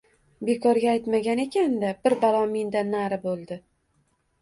bekorga aytmagan ekan-da, bir balo mendan nari bo`ldi